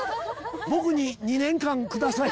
僕に２年間ください。